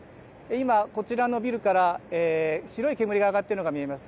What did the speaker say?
今こちらのビルから白い煙が上がっているのが見えます。